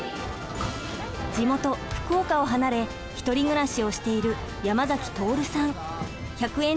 地元福岡を離れ１人暮らしをしている１００円